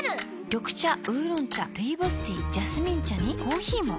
緑茶烏龍茶ルイボスティージャスミン茶にコーヒーも。